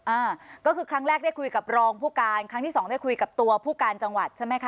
อ่าก็คือครั้งแรกได้คุยกับรองผู้การครั้งที่สองได้คุยกับตัวผู้การจังหวัดใช่ไหมคะ